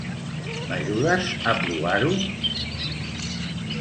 M'ajudes a provar-ho?